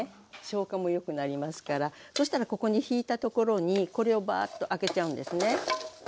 消化もよくなりますからそしたらここにひいたところにこれをバーッとあけちゃうんですね。